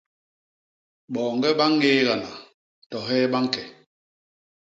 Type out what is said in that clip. Boñge ba ñégana, to hee ba ñke.